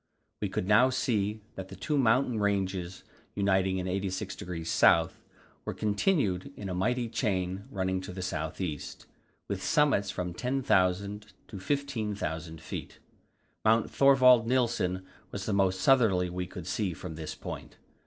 We could now see that the two mountain ranges uniting in 86° S. were continued in a mighty chain running to the south east, with summits from 10,000 to 15,000 feet. Mount Thorvald Nilsen was the most southerly we could see from this point.